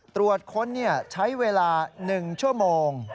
ตรวจค้นใช้เวลา๑ชั่วโมง